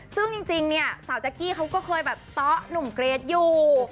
ซึ่งจริงเนี่ยสาวแจ๊กกี้เขาก็เคยแบบเตาะหนุ่มเกรทอยู่